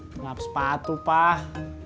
ngelap sepatu pak